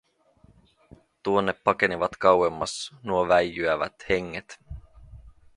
Tuonne pakenivat kauemmas nuo väijyävät henget.